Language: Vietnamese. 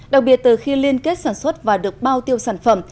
đặc biệt từ khi liên kết sản xuất và được bao tiêu sản phẩm